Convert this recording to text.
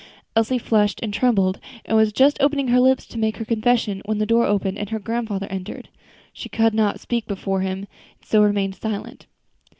Elsie flushed and trembled, and was just opening her lips to make her confession, when the door opened and her grandfather entered. She could not speak before him, and so remained silent.